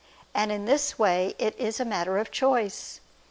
And in this way it is a matter of choice.